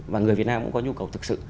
và người việt nam cũng có nhu cầu thực sự